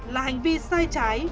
là hành vi sai trái